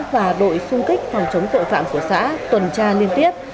và đội xung kích phòng chống tội phạm của xã tuần tra liên tiếp